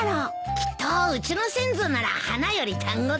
きっとうちの先祖なら花より団子だよ。